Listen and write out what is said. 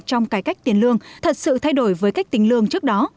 trong cải cách tiền lương thật sự thay đổi với cách tiền lương trước đó